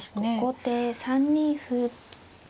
後手３二歩。